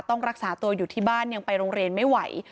ต้องรักษาตัวอยู่ที่บ้านยังไปโรงเรียนไม่ไหว